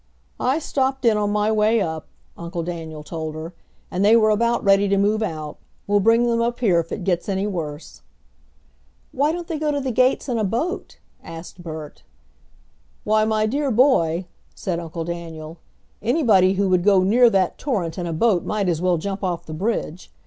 "I stopped in on my way up," Uncle Daniel told her, "and they were about ready to move out. We'll bring them up here if it gets any worse." "Why don't they go to the gates in a boat?" asked Bert. "Why, my dear boy," said Uncle Daniel, "anybody who would go near that torrent in a boat might as well jump off the bridge.